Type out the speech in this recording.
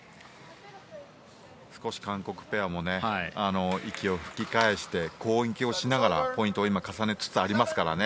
少し韓国ペアも息を吹き返して攻撃をしながらポイントを重ねつつありますから。